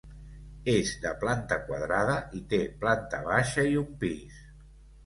És de planta quadrada i té planta baixa i un pis.